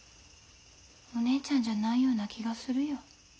お姉ちゃんじゃないような気がするよ。